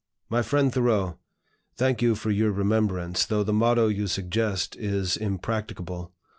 "MY FRIEND THOREAU, Thank you for your remembrance, though the motto you suggest is impracticable.